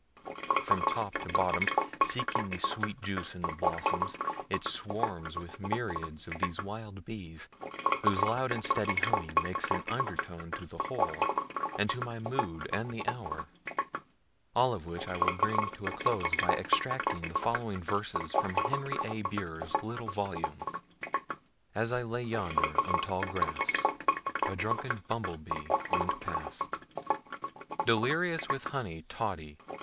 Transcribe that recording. From top to bottom, seeking the sweet juice in the blossoms, it swarms with myriads of these wild bees, whose loud and steady humming makes an undertone to the whole, and to my mood and the hour. All of which I will bring to a close by extracting the following verses from Henry A. Beers's little volume: As I lay yonder in tall grass A drunken bumble bee went past Delirious with honey toddy.